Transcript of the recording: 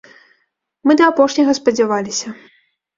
Мы да апошняга спадзяваліся.